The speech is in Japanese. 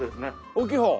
大きい方。